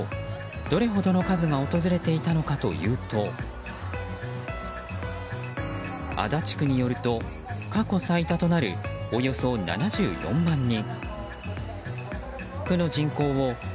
どれほどの数が訪れていたのかというと足立区によると過去最多となるおよそ７４万人。